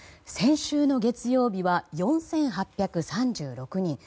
先週の月曜日は４８３６人。